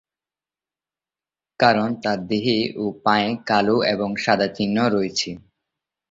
কারণ তাদের দেহে ও পায়ে কালো এবং সাদা চিহ্ন রয়েছে।